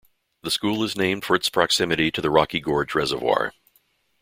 The school is named for its proximity to the Rocky Gorge Reservoir.